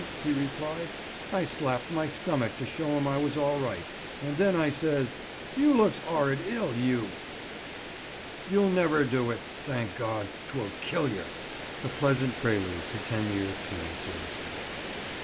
he replied, "I slapped my stomach to show 'im I was all right, and then I says, 'You looks 'orrid ill, you —; you'll never do it; thank God, 'twill kill yer.'" A pleasant prelude to ten years' penal servitude.